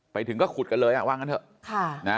ไปถึงก็ขุดกันเลยว่างั้นเถอะ